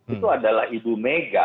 itu adalah ibu mega